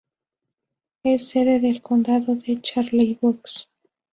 Es sede del condado de Charlevoix.